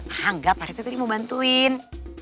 enggak pak rete tadi mau bantuin